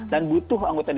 dan butuh anggota dpr